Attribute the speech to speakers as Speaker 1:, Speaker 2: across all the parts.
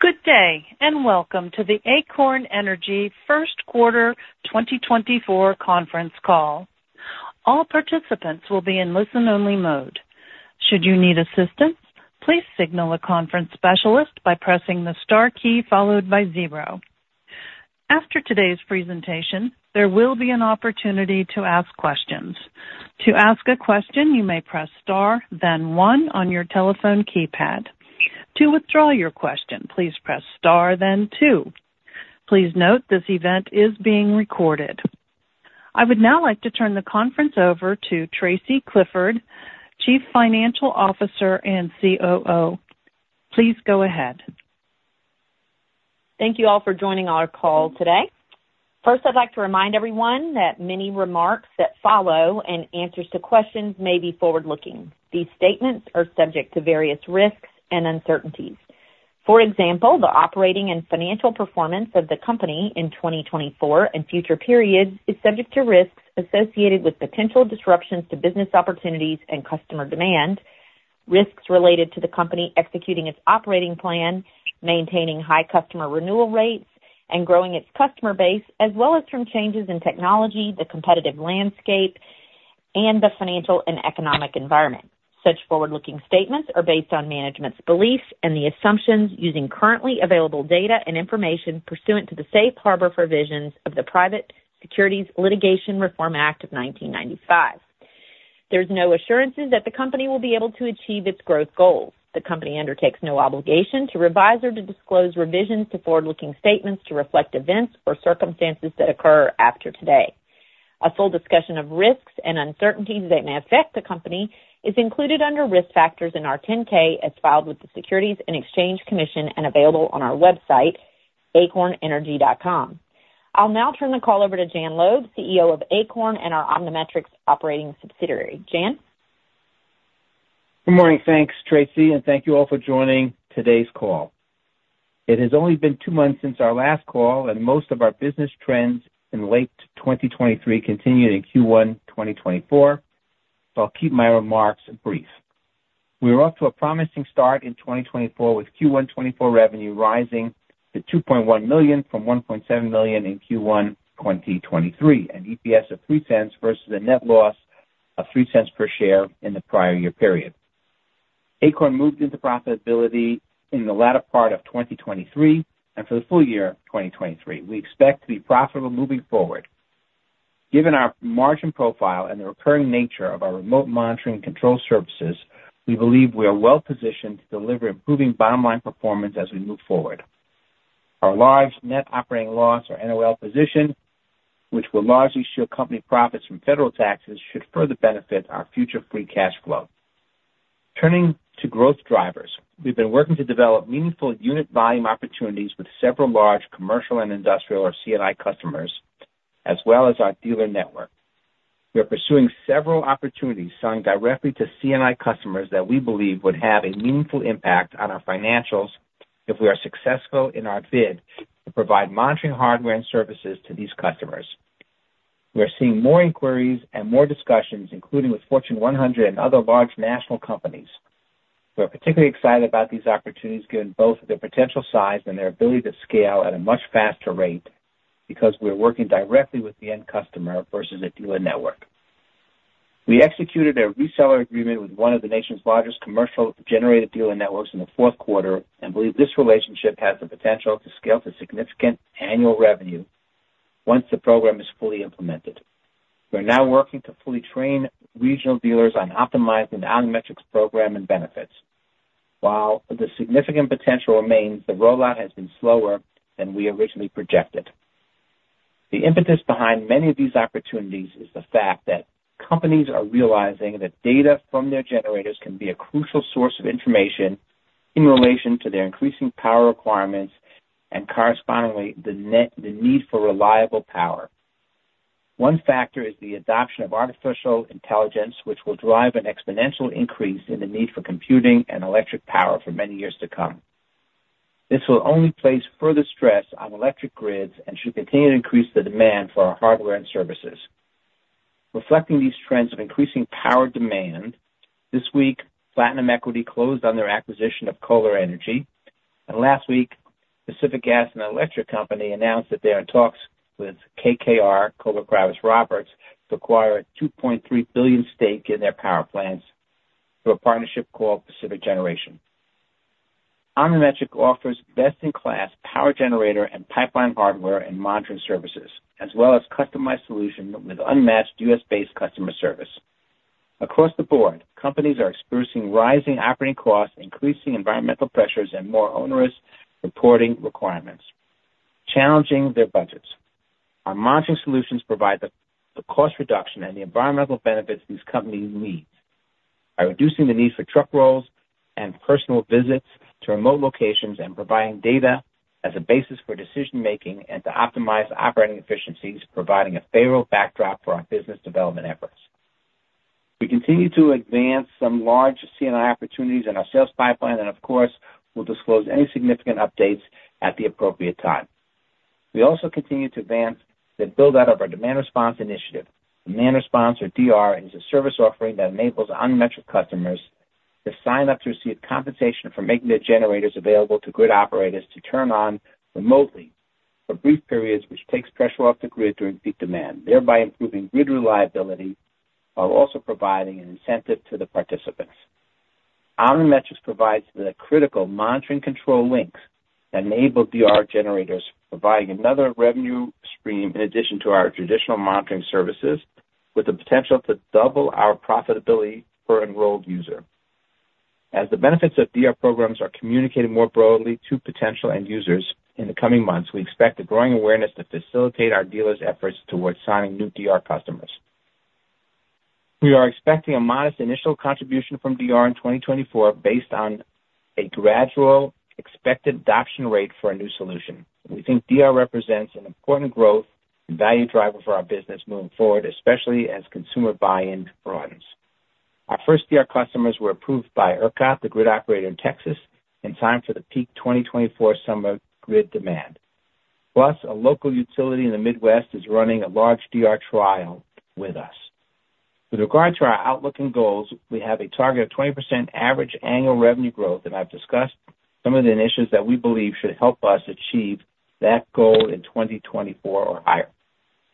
Speaker 1: Good day and welcome to the Acorn Energy First Quarter 2024 Conference Call. All participants will be in listen-only mode. Should you need assistance, please signal a conference specialist by pressing the star key followed by zero. After today's presentation, there will be an opportunity to ask questions. To ask a question, you may press star, then one on your telephone keypad. To withdraw your question, please press star, then two. Please note this event is being recorded. I would now like to turn the conference over to Tracy Clifford, Chief Financial Officer and COO. Please go ahead.
Speaker 2: Thank you all for joining our call today. First, I'd like to remind everyone that many remarks that follow and answers to questions may be forward-looking. These statements are subject to various risks and uncertainties. For example, the operating and financial performance of the company in 2024 and future periods is subject to risks associated with potential disruptions to business opportunities and customer demand, risks related to the company executing its operating plan, maintaining high customer renewal rates, and growing its customer base, as well as from changes in technology, the competitive landscape, and the financial and economic environment. Such forward-looking statements are based on management's beliefs and the assumptions using currently available data and information pursuant to the Safe Harbor Provisions of the Private Securities Litigation Reform Act of 1995. There are no assurances that the company will be able to achieve its growth goals. The company undertakes no obligation to revise or to disclose revisions to forward-looking statements to reflect events or circumstances that occur after today. A full discussion of risks and uncertainties that may affect the company is included under risk factors in our 10-K as filed with the Securities and Exchange Commission and available on our website, acornenergy.com. I'll now turn the call over to Jan Loeb, CEO of Acorn and our OmniMetrix operating subsidiary. Jan?
Speaker 3: Good morning. Thanks, Tracy, and thank you all for joining today's call. It has only been two months since our last call, and most of our business trends in late 2023 continue in Q1 2024, so I'll keep my remarks brief. We are off to a promising start in 2024 with Q1 2024 revenue rising to $2.1 million from $1.7 million in Q1 2023, an EPS of $0.03 versus a net loss of $0.03 per share in the prior year period. Acorn moved into profitability in the latter part of 2023 and for the full year 2023. We expect to be profitable moving forward. Given our margin profile and the recurring nature of our remote monitoring and control services, we believe we are well positioned to deliver improving bottom-line performance as we move forward. Our large net operating loss, or NOL, position, which will largely shield company profits from federal taxes, should further benefit our future free cash flow. Turning to growth drivers, we've been working to develop meaningful unit volume opportunities with several large commercial and industrial, or C&I, customers, as well as our dealer network. We are pursuing several opportunities selling directly to C&I customers that we believe would have a meaningful impact on our financials if we are successful in our bid to provide monitoring hardware and services to these customers. We are seeing more inquiries and more discussions, including with Fortune 100 and other large national companies. We are particularly excited about these opportunities given both their potential size and their ability to scale at a much faster rate because we are working directly with the end customer versus a dealer network. We executed a reseller agreement with one of the nation's largest commercial generator dealer networks in the fourth quarter and believe this relationship has the potential to scale to significant annual revenue once the program is fully implemented. We are now working to fully train regional dealers on optimizing the OmniMetrix program and benefits. While the significant potential remains, the rollout has been slower than we originally projected. The impetus behind many of these opportunities is the fact that companies are realizing that data from their generators can be a crucial source of information in relation to their increasing power requirements and, correspondingly, the need for reliable power. One factor is the adoption of artificial intelligence, which will drive an exponential increase in the need for computing and electric power for many years to come. This will only place further stress on electric grids and should continue to increase the demand for our hardware and services. Reflecting these trends of increasing power demand, this week, Platinum Equity closed on their acquisition of Kohler Energy, and last week, Pacific Gas and Electric Company announced that they are in talks with KKR to acquire a $2.3 billion stake in their power plants through a partnership called Pacific Generation. OmniMetrix offers best-in-class power generator and pipeline hardware and monitoring services, as well as customized solutions with unmatched U.S.-based customer service. Across the board, companies are experiencing rising operating costs, increasing environmental pressures, and more onerous reporting requirements, challenging their budgets. Our monitoring solutions provide the cost reduction and the environmental benefits these companies need by reducing the need for truck rolls and personal visits to remote locations and providing data as a basis for decision-making and to optimize operating efficiencies, providing a favorable backdrop for our business development efforts. We continue to advance some large C&I opportunities in our sales pipeline and, of course, will disclose any significant updates at the appropriate time. We also continue to advance the build-out of our demand response initiative. Demand response, or DR, is a service offering that enables OmniMetrix customers to sign up to receive compensation for making their generators available to grid operators to turn on remotely for brief periods, which takes pressure off the grid during peak demand, thereby improving grid reliability while also providing an incentive to the participants. OmniMetrix provides the critical monitoring control links that enable DR generators, providing another revenue stream in addition to our traditional monitoring services with the potential to double our profitability per enrolled user. As the benefits of DR programs are communicated more broadly to potential end users in the coming months, we expect a growing awareness to facilitate our dealers' efforts towards signing new DR customers. We are expecting a modest initial contribution from DR in 2024 based on a gradual expected adoption rate for a new solution. We think DR represents an important growth and value driver for our business moving forward, especially as consumer buy-in broadens. Our first DR customers were approved by ERCOT, the grid operator in Texas, and signed for the peak 2024 summer grid demand. Plus, a local utility in the Midwest is running a large DR trial with us. With regard to our outlook and goals, we have a target of 20% average annual revenue growth, and I've discussed some of the initiatives that we believe should help us achieve that goal in 2024 or higher.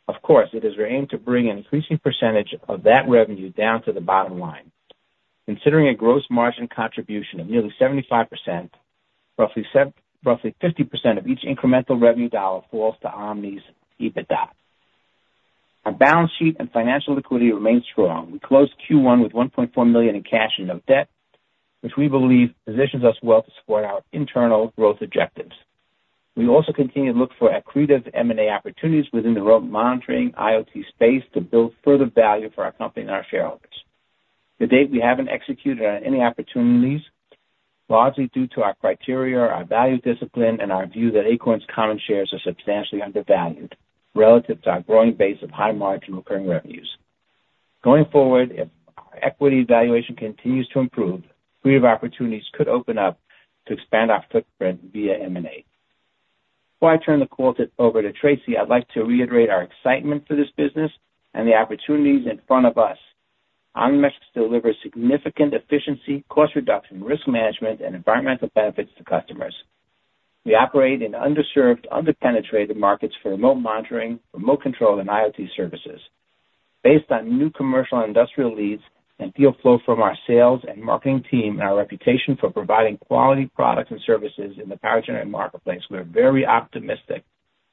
Speaker 3: Of course, it is our aim to bring an increasing percentage of that revenue down to the bottom line. Considering a gross margin contribution of nearly 75%, roughly 50% of each incremental revenue dollar falls to Omni's EBITDA. Our balance sheet and financial liquidity remain strong. We closed Q1 with $1.4 million in cash and no debt, which we believe positions us well to support our internal growth objectives. We also continue to look for accretive M&A opportunities within the remote monitoring IoT space to build further value for our company and our shareholders. To date, we haven't executed on any opportunities, largely due to our criteria, our value discipline, and our view that Acorn's common shares are substantially undervalued relative to our growing base of high-margin recurring revenues. Going forward, if our equity valuation continues to improve, creative opportunities could open up to expand our footprint via M&A. Before I turn the call over to Tracy, I'd like to reiterate our excitement for this business and the opportunities in front of us. OmniMetrix delivers significant efficiency, cost reduction, risk management, and environmental benefits to customers. We operate in underserved, under-penetrated markets for remote monitoring, remote control, and IoT services. Based on new commercial and industrial leads and deal flow from our sales and marketing team and our reputation for providing quality products and services in the power generating marketplace, we are very optimistic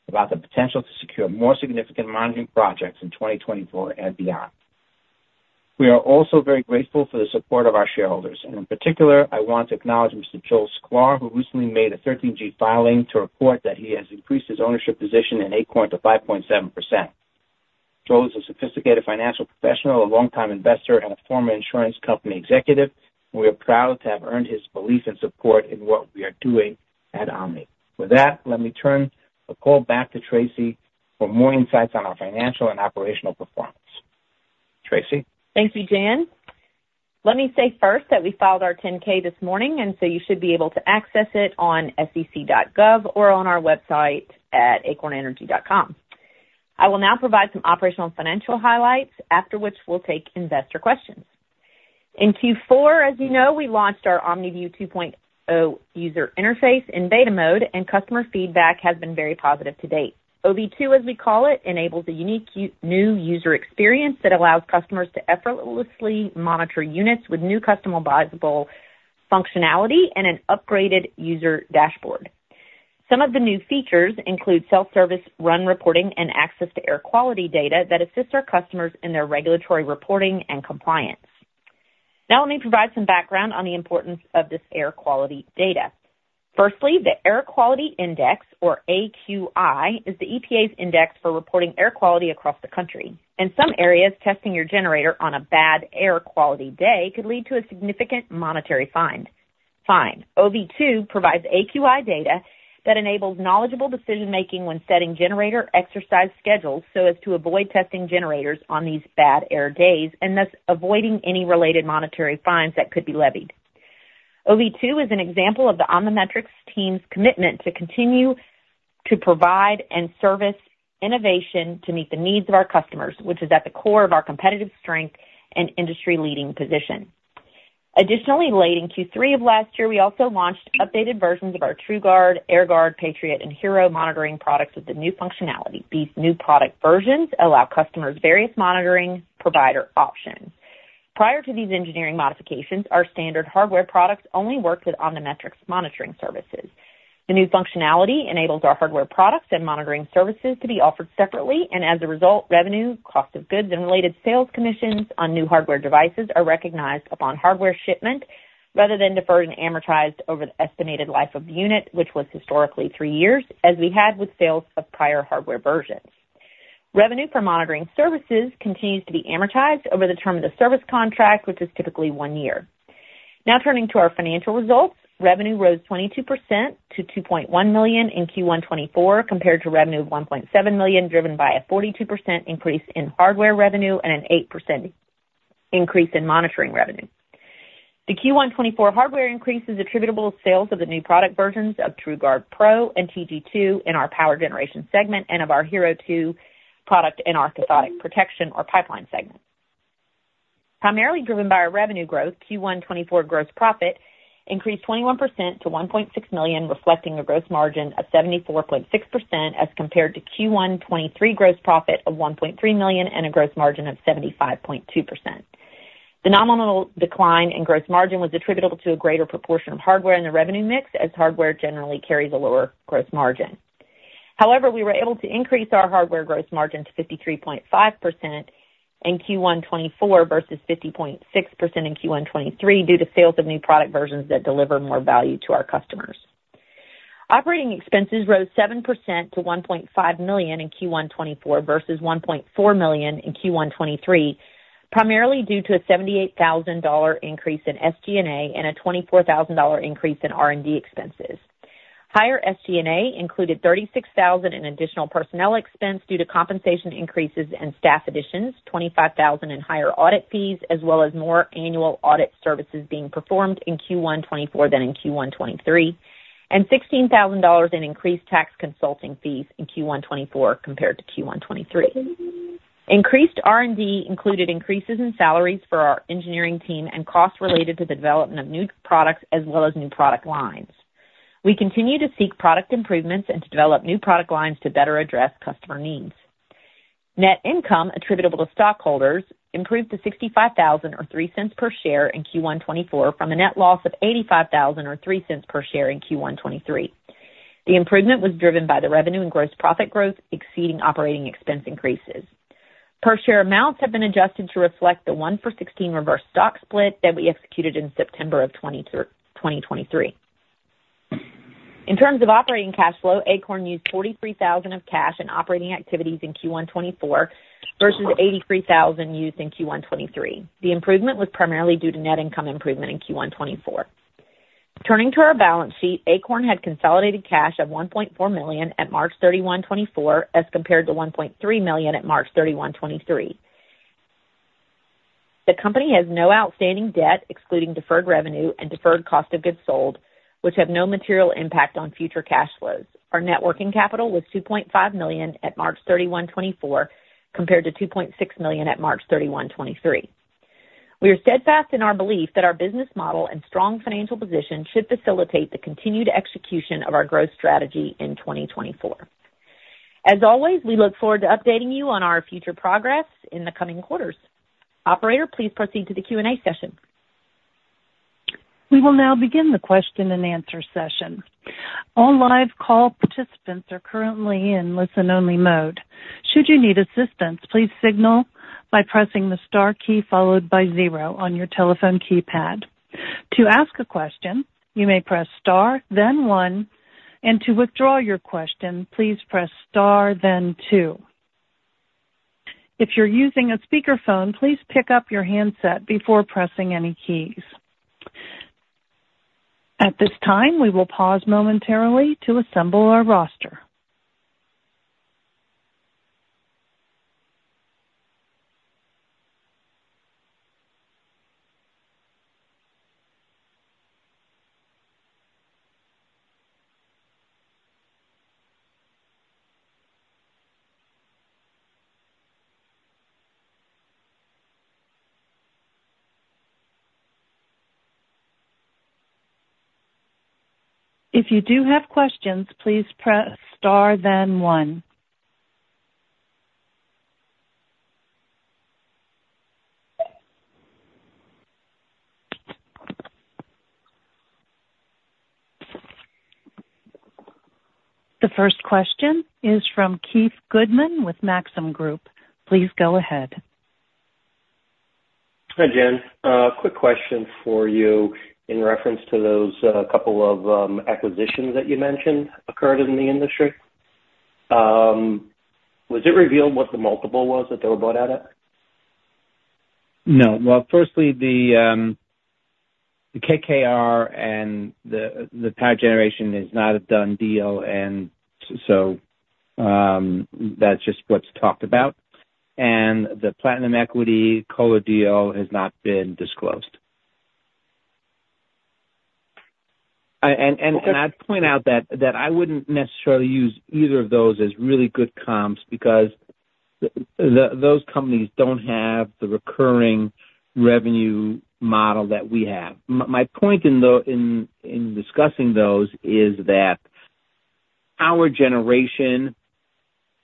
Speaker 3: about the potential to secure more significant monitoring projects in 2024 and beyond. We are also very grateful for the support of our shareholders. In particular, I want to acknowledge Mr. Joel Sklar, who recently made a 13G filing to report that he has increased his ownership position in Acorn to 5.7%. Joel is a sophisticated financial professional, a longtime investor, and a former insurance company executive, and we are proud to have earned his belief and support in what we are doing at Omni. With that, let me turn the call back to Tracy for more insights on our financial and operational performance. Tracy?
Speaker 2: Thank you, Jan. Let me say first that we filed our 10-K this morning, and so you should be able to access it on sec.gov or on our website at acornenergy.com. I will now provide some operational and financial highlights, after which we'll take investor questions. In Q4, as you know, we launched our OmniView 2.0 user interface in beta mode, and customer feedback has been very positive to date. OV2, as we call it, enables a unique new user experience that allows customers to effortlessly monitor units with new customizable functionality and an upgraded user dashboard. Some of the new features include self-service run reporting and access to air quality data that assists our customers in their regulatory reporting and compliance. Now let me provide some background on the importance of this air quality data. Firstly, the Air Quality Index, or AQI, is the EPA's index for reporting air quality across the country. In some areas, testing your generator on a bad air quality day could lead to a significant monetary fine. OV2 provides AQI data that enables knowledgeable decision-making when setting generator exercise schedules so as to avoid testing generators on these bad air days and thus avoiding any related monetary fines that could be levied. OV2 is an example of the OmniMetrix team's commitment to continue to provide and service innovation to meet the needs of our customers, which is at the core of our competitive strength and industry-leading position. Additionally, late in Q3 of last year, we also launched updated versions of our TrueGuard, AirGuard, Patriot, and HERO monitoring products with the new functionality. These new product versions allow customers various monitoring provider options. Prior to these engineering modifications, our standard hardware products only worked with OmniMetrix monitoring services. The new functionality enables our hardware products and monitoring services to be offered separately, and as a result, revenue, cost of goods, and related sales commissions on new hardware devices are recognized upon hardware shipment rather than deferred and amortized over the estimated life of the unit, which was historically three years, as we had with sales of prior hardware versions. Revenue for monitoring services continues to be amortized over the term of the service contract, which is typically one year. Now turning to our financial results, revenue rose 22% to $2.1 million in Q1 2024 compared to revenue of $1.7 million, driven by a 42% increase in hardware revenue and an 8% increase in monitoring revenue. The Q1 2024 hardware increase is attributable to sales of the new product versions of TrueGuard Pro and TG2 in our power generation segment and of our HERO 2 product in our cathodic protection or pipeline segment. Primarily driven by our revenue growth, Q1 2024 gross profit increased 21% to $1.6 million, reflecting a gross margin of 74.6% as compared to Q1 2023 gross profit of $1.3 million and a gross margin of 75.2%. The nominal decline in gross margin was attributable to a greater proportion of hardware in the revenue mix, as hardware generally carries a lower gross margin. However, we were able to increase our hardware gross margin to 53.5% in Q1 2024 versus 50.6% in Q1 2023 due to sales of new product versions that deliver more value to our customers. Operating expenses rose 7% to $1.5 million in Q1 2024 versus $1.4 million in Q1 2023, primarily due to a $78,000 increase in SG&A and a $24,000 increase in R&D expenses. Higher SG&A included $36,000 in additional personnel expense due to compensation increases and staff additions, $25,000 in higher audit fees, as well as more annual audit services being performed in Q1 2024 than in Q1 2023, and $16,000 in increased tax consulting fees in Q1 2024 compared to Q1 2023. Increased R&D included increases in salaries for our engineering team and costs related to the development of new products as well as new product lines. We continue to seek product improvements and to develop new product lines to better address customer needs. Net income attributable to stockholders improved to $0.65 or $0.03 per share in Q1 2024 from a net loss of $0.85 or $0.03 per share in Q1 2023. The improvement was driven by the revenue and gross profit growth exceeding operating expense increases. Per-share amounts have been adjusted to reflect the 1-for-16 reverse stock split that we executed in September of 2023. In terms of operating cash flow, Acorn used $43,000 of cash in operating activities in Q1 2024 versus $83,000 used in Q1 2023. The improvement was primarily due to net income improvement in Q1 2024. Turning to our balance sheet, Acorn had consolidated cash of $1.4 million at March 31, 2024, as compared to $1.3 million at March 31, 2023. The company has no outstanding debt, excluding deferred revenue and deferred cost of goods sold, which have no material impact on future cash flows. Our net working capital was $2.5 million at March 31, 2024, compared to $2.6 million at March 31, 2023. We are steadfast in our belief that our business model and strong financial position should facilitate the continued execution of our growth strategy in 2024. As always, we look forward to updating you on our future progress in the coming quarters. Operator, please proceed to the Q&A session.
Speaker 1: We will now begin the question and answer session. All live call participants are currently in listen-only mode. Should you need assistance, please signal by pressing the star key followed by zero on your telephone keypad. To ask a question, you may press star, then one, and to withdraw your question, please press star, then two. If you're using a speakerphone, please pick up your handset before pressing any keys. At this time, we will pause momentarily to assemble our roster. If you do have questions, please press star, then one. The first question is from Keith Goodman with Maxim Group. Please go ahead.
Speaker 4: Hi, Jan. Quick question for you in reference to those couple of acquisitions that you mentioned occurred in the industry. Was it revealed what the multiple was that they were bought at?
Speaker 3: No. Well, firstly, the KKR and the power generation is not a done deal, and so that's just what's talked about. The Platinum Equity Kohler deal has not been disclosed. I'd point out that I wouldn't necessarily use either of those as really good comps because those companies don't have the recurring revenue model that we have. My point in discussing those is that power generation,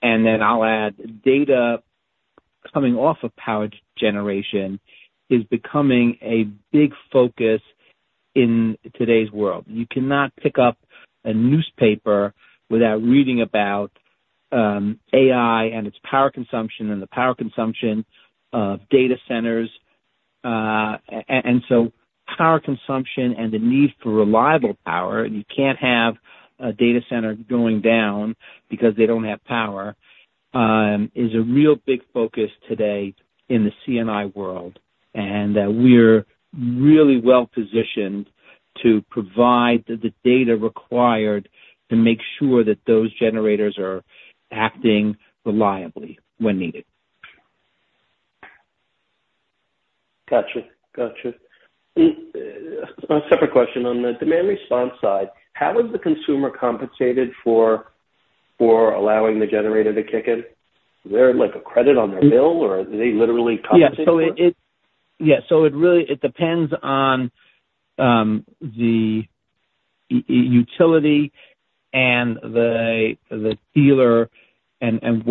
Speaker 3: and then I'll add data coming off of power generation, is becoming a big focus in today's world. You cannot pick up a newspaper without reading about AI and its power consumption and the power consumption of data centers. Power consumption and the need for reliable power - you can't have a data center going down because they don't have power - is a real big focus today in the C&I world, and that we're really well-positioned to provide the data required to make sure that those generators are acting reliably when needed.
Speaker 4: Gotcha. Gotcha. A separate question on the demand response side. How is the consumer compensated for allowing the generator to kick in? Is there a credit on their bill, or are they literally compensated?
Speaker 3: Yeah. So it depends on the utility and the dealer and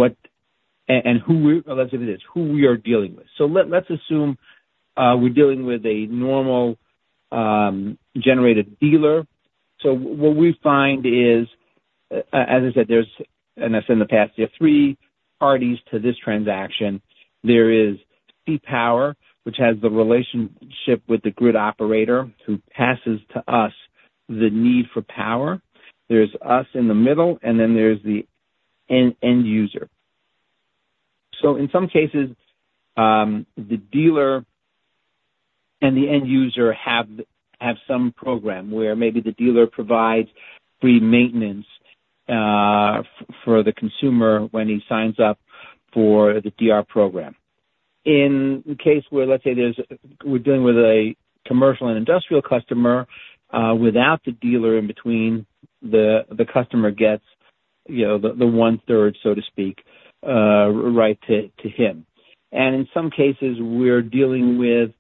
Speaker 3: who we, let's say, it is, who we are dealing with. So let's assume we're dealing with a normal generator dealer. So what we find is, as I said, and I said in the past, there are three parties to this transaction. There is CPower, which has the relationship with the grid operator who passes to us the need for power. There's us in the middle, and then there's the end user. So in some cases, the dealer and the end user have some program where maybe the dealer provides free maintenance for the consumer when he signs up for the DR program. In the case where, let's say, we're dealing with a commercial and industrial customer, without the dealer in between, the customer gets the one-third, so to speak, right to him. In some cases, we're dealing with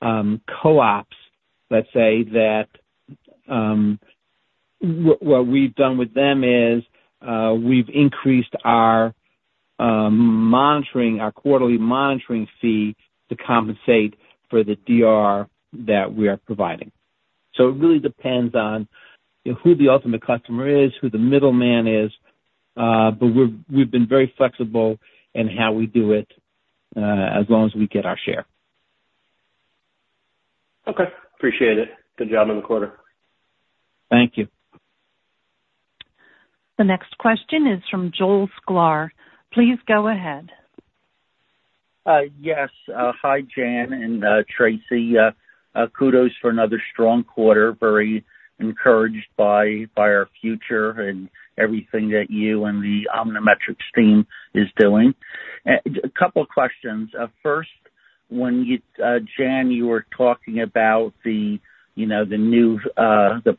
Speaker 3: co-ops. Let's say that what we've done with them is we've increased our quarterly monitoring fee to compensate for the DR that we are providing. So it really depends on who the ultimate customer is, who the middleman is. But we've been very flexible in how we do it as long as we get our share.
Speaker 4: Okay. Appreciate it. Good job on the quarter.
Speaker 3: Thank you.
Speaker 1: The next question is from Joel Sklar. Please go ahead.
Speaker 5: Yes. Hi, Jan and Tracy. Kudos for another strong quarter, very encouraged by our future and everything that you and the OmniMetrix team is doing. A couple of questions. First, Jan, you were talking about the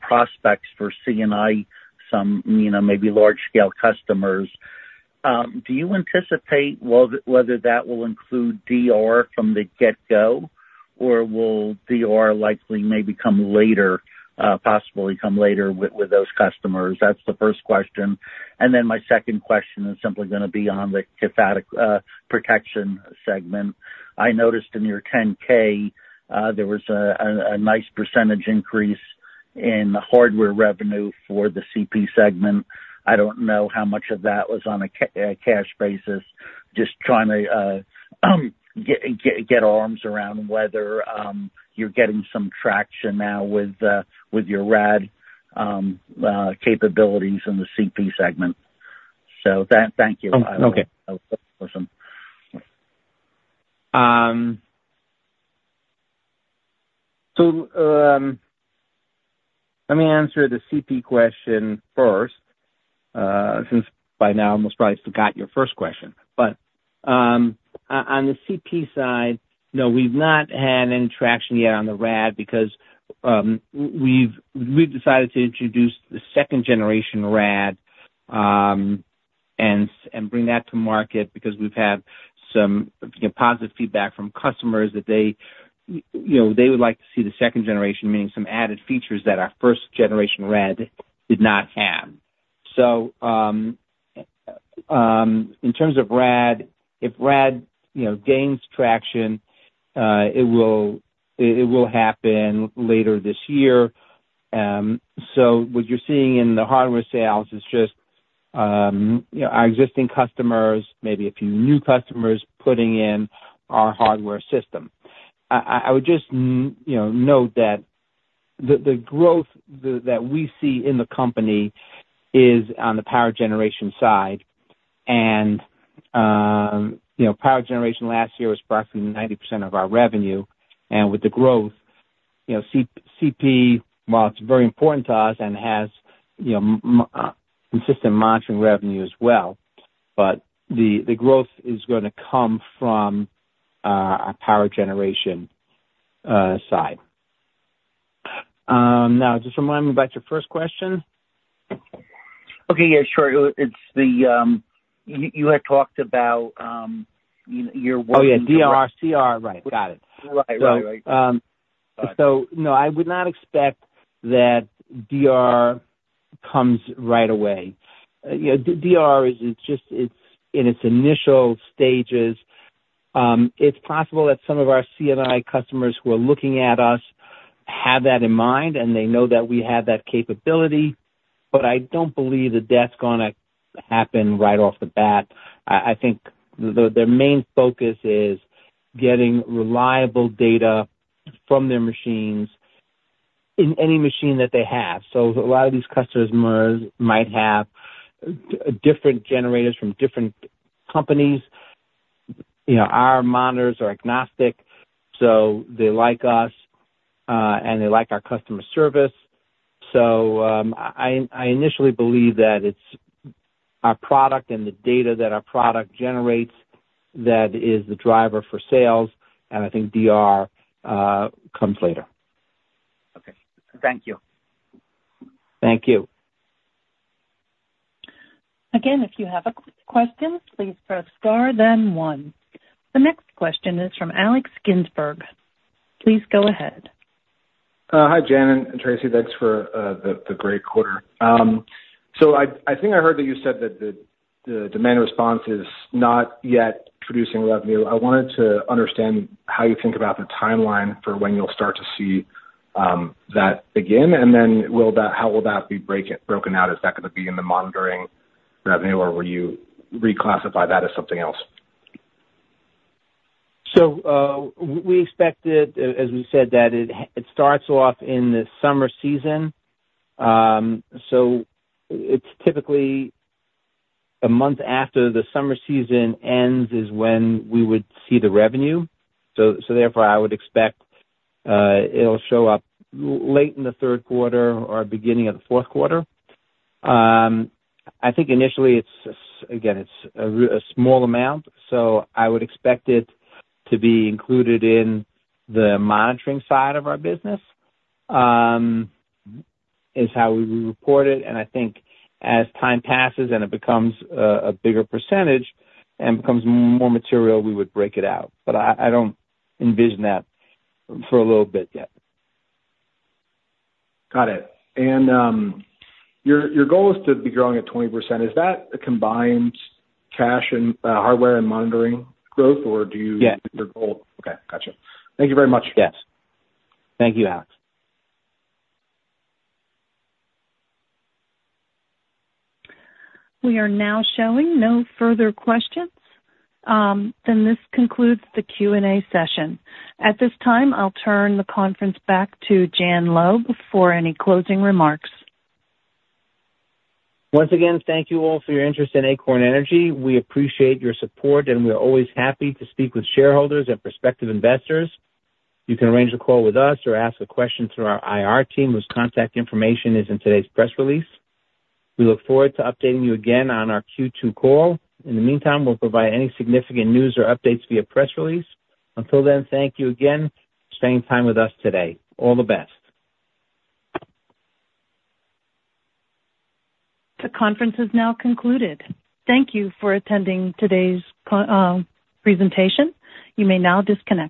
Speaker 5: prospects for C&I, some maybe large-scale customers. Do you anticipate whether that will include DR from the get-go, or will DR likely maybe possibly come later with those customers? That's the first question. And then my second question is simply going to be on the cathodic protection segment. I noticed in your 10-K there was a nice percentage increase in hardware revenue for the CP segment. I don't know how much of that was on a cash basis, just trying to get arms around whether you're getting some traction now with your RAD capabilities in the CP segment. So thank you. I wasn't.
Speaker 3: So let me answer the CP question first since by now, I most probably forgot your first question. But on the CP side, no, we've not had any traction yet on the RAD because we've decided to introduce the second-generation RAD and bring that to market because we've had some positive feedback from customers that they would like to see the second generation, meaning some added features that our first-generation RAD did not have. So in terms of RAD, if RAD gains traction, it will happen later this year. So what you're seeing in the hardware sales is just our existing customers, maybe a few new customers putting in our hardware system. I would just note that the growth that we see in the company is on the power generation side. And power generation last year was approximately 90% of our revenue. With the growth, CP, while it's very important to us and has consistent monitoring revenue as well, but the growth is going to come from our power generation side. Now, just remind me about your first question.
Speaker 5: Okay. Yeah. Sure. You had talked about your working with.
Speaker 3: Oh, yeah. DR, CR. Right. Got it.
Speaker 5: Right. Right. Right.
Speaker 3: No, I would not expect that DR comes right away. DR, in its initial stages, it's possible that some of our C&I customers who are looking at us have that in mind, and they know that we have that capability. But I don't believe that that's going to happen right off the bat. I think their main focus is getting reliable data from their machines in any machine that they have. So a lot of these customers might have different generators from different companies. Our monitors are agnostic, so they like us, and they like our customer service. So I initially believe that it's our product and the data that our product generates that is the driver for sales. I think DR comes later.
Speaker 5: Okay. Thank you.
Speaker 3: Thank you.
Speaker 1: Again, if you have a quick question, please press star, then one. The next question is from Alex Ginsberg. Please go ahead.
Speaker 6: Hi, Jan and Tracy. Thanks for the great quarter. So I think I heard that you said that the demand response is not yet producing revenue. I wanted to understand how you think about the timeline for when you'll start to see that begin, and then how will that be broken out? Is that going to be in the monitoring revenue, or will you reclassify that as something else?
Speaker 3: So we expected, as we said, that it starts off in the summer season. So it's typically a month after the summer season ends is when we would see the revenue. So therefore, I would expect it'll show up late in the third quarter or beginning of the fourth quarter. I think initially, again, it's a small amount. So I would expect it to be included in the monitoring side of our business is how we would report it. And I think as time passes and it becomes a bigger percentage and becomes more material, we would break it out. But I don't envision that for a little bit yet.
Speaker 6: Got it. Your goal is to be growing at 20%. Is that a combined cash and hardware and monitoring growth, or do you?
Speaker 3: Yes.
Speaker 6: Is that your goal? Okay. Gotcha. Thank you very much.
Speaker 3: Yes. Thank you, Alex.
Speaker 1: We are now showing no further questions. This concludes the Q&A session. At this time, I'll turn the conference back to Jan Loeb for any closing remarks.
Speaker 3: Once again, thank you all for your interest in Acorn Energy. We appreciate your support, and we are always happy to speak with shareholders and prospective investors. You can arrange a call with us or ask a question through our IR team, whose contact information is in today's press release. We look forward to updating you again on our Q2 call. In the meantime, we'll provide any significant news or updates via press release. Until then, thank you again for spending time with us today. All the best.
Speaker 1: The conference is now concluded. Thank you for attending today's presentation. You may now disconnect.